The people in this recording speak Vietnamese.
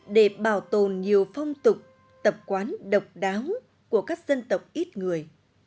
để bảo tồn nhiều phong tục tập quán độc đáo của các dân tộc ít người